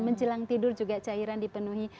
menjelang tidur juga cairan dipenuhi